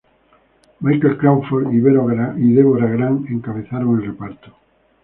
Michael Crawford y Deborah Grant encabezaron el reparto.